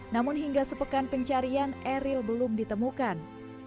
namun hingga sepekan pencarian eril belum ditemukan